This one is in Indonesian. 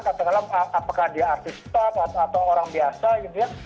katakanlah apakah dia artis staff atau orang biasa gitu ya